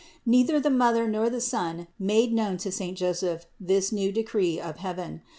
Neither the Mother nor the Son made known to saint Joseph this new decree of heaven.